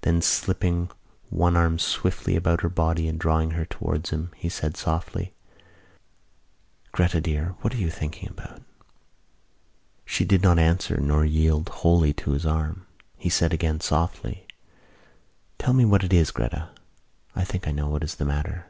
Then, slipping one arm swiftly about her body and drawing her towards him, he said softly: "Gretta, dear, what are you thinking about?" She did not answer nor yield wholly to his arm. He said again, softly: "Tell me what it is, Gretta. I think I know what is the matter.